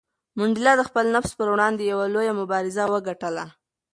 منډېلا د خپل نفس پر وړاندې یوه لویه مبارزه وګټله.